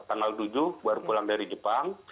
tanggal tujuh baru pulang dari jepang